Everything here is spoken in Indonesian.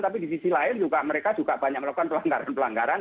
tapi di sisi lain mereka juga banyak melakukan pelanggaran pelanggaran